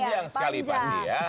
panjang sekali pasti ya